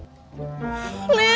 ini temannya sekar